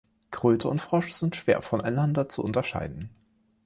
Kröte und Frosch sind schwer voneinander zu unterscheiden.